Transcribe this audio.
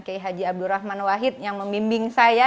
k h abdurrahman wahid yang membimbing saya